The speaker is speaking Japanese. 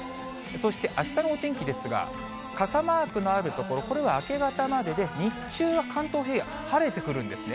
そしてあしたのお天気ですが、傘マークのある所、これは明け方までで、日中は関東平野、晴れてくるんですね。